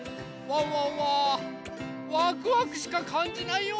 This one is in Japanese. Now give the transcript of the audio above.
ワンワンはワクワクしかかんじないよ！